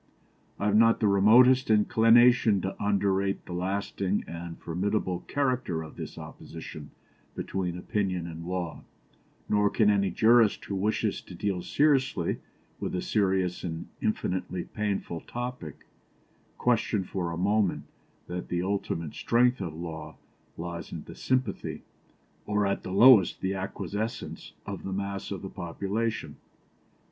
I have not the remotest inclination to underrate the lasting and formidable character of this opposition between opinion and law, nor can any jurist who wishes to deal seriously with a serious and infinitely painful topic, question for a moment that the ultimate strength of law lies in the sympathy, or at the lowest the acquiescence, of the mass of the population.